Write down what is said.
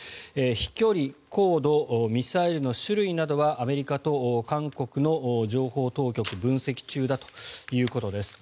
飛距離、高度ミサイルの種類などはアメリカと韓国の情報当局分析中だということです。